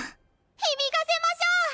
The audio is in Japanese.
響かせましょう！